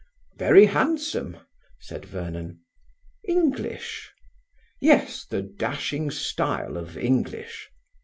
"Very handsome," said Vernon. "English?" "Yes; the dashing style of English."